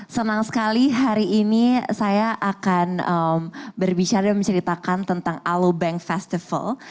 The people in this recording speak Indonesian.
senang sekali hari ini saya akan berbicara dan menceritakan tentang alobank festival